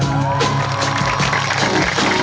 เฮ้ย